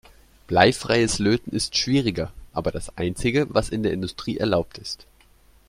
Bleifreies Löten ist schwieriger, aber das einzige, was in der Industrie erlaubt ist.